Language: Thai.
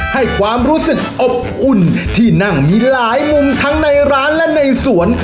ให้ความรู้สึกอบอุ่นที่นั่งมีหลายมุมทั้งในร้านและในสวน